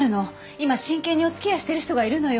今真剣にお付き合いしてる人がいるのよ。